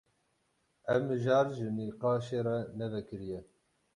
Ev mijar ji nîqaşê re ne vekirî ye.